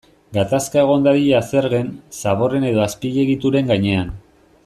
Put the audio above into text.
Gatazka egon dadila zergen, zaborren edo azpiegituren gainean.